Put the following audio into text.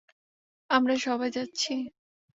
আমরা সবাই যাচ্ছি!